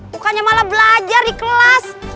bukannya malah belajar di kelas